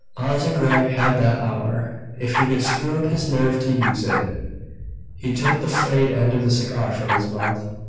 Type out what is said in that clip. Asa Gregg had that hour, if he could screw up his nerve to use it.... He took the frayed end of the cigar from his mouth.